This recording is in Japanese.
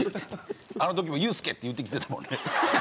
あの時も「ユースケ！」って言うてきてたもんね。